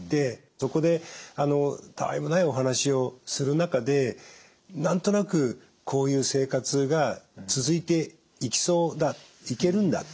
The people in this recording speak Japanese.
そこでたあいもないお話をする中で何となくこういう生活が続いていきそうだいけるんだ